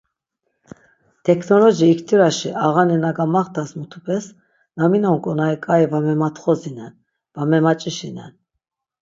Teknoloji iktiraşi ağani na gamaxtaş mutupes, na minon k̆onari k̆ai va mematxozinen, va memaç̆işinen.